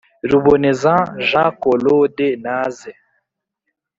ruboneza ja colode naze